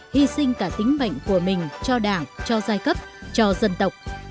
hy sinh cả tính mạnh của mình cho đảng cho giai cấp cho dân tộc